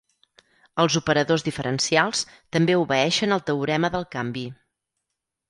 Els operadors diferencials també obeeixen el teorema del canvi.